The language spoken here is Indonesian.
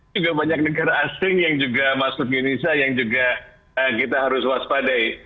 juga banyak negara asing yang juga masuk ke indonesia yang juga kita harus waspadai